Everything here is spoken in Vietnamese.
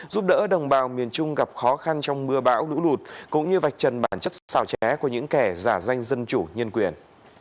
giúp đỡ đồng bào miền trung gặp khó khăn trong mưa bão lũ lụt cũng như vạch trần bản chất xào ché của những kẻ giả danh dân chủ nhân quyền